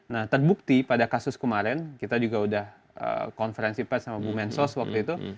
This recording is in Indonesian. nah terbukti pada kasus kemarin kita juga udah konferensi pers sama bu mensos waktu itu